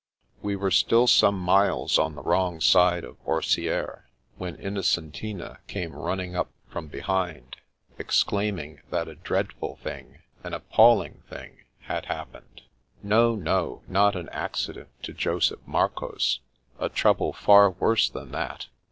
We were still some miles on the wrcMig side of Orsieres, when Innocentina came running up from behind, exclaiming that a dreadful thing, an appall ing thing, had happened. No, no, not an accident to Joseph Marcoz. A trouble far worse than that.